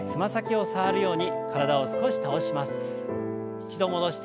一度戻して。